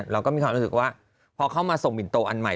เราก็มีความรู้สึกว่าพอเข้ามาส่งมินโตอันใหม่